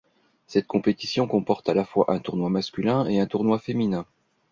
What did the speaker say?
Cette compétition comporte à la fois un tournoi masculin et un tournoi féminin.